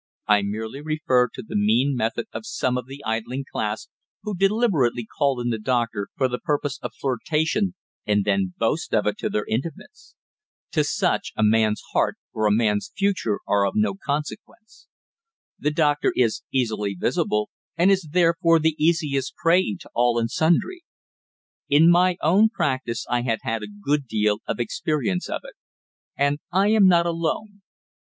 I merely refer to the mean method of some of the idling class, who deliberately call in the doctor for the purpose of flirtation and then boast of it to their intimates. To such, a man's heart or a man's future are of no consequence. The doctor is easily visible, and is therefore the easiest prey to all and sundry. In my own practice I had had a good deal of experience of it. And I am not alone.